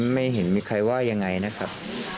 ไม่เห็นมีใครว่ายังไงนะครับ